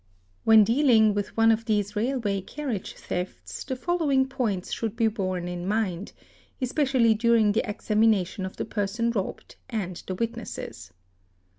| When dealing with one of these railway carriage thefts the following — points should be borne in mind, especially during the examination of the — person robbed and the witnesses.